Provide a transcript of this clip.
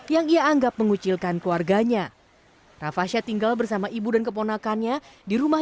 yang ia anggap mengucilkan keluarganya rafasha tinggal bersama ibu dan keponakannya di rumah